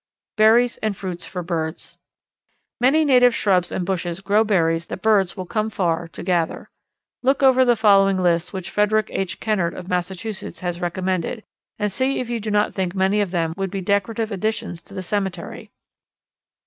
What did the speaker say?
Berries and Fruits for Birds. Many native shrubs and bushes grow berries that birds will come far to gather. Look over the following list which Frederick H. Kennard, of Massachusetts, has recommended, and see if you do not think many of them would be decorative additions to the cemetery.